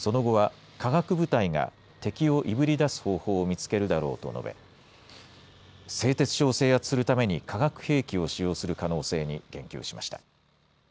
その後は化学部隊が敵をいぶり出す方法を見つけるだろうと述べ製鉄所を制圧するために化学兵器を使用する可能性に言及しました。